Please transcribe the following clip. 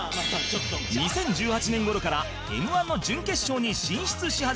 ２０１８年頃から Ｍ−１ の準決勝に進出し始める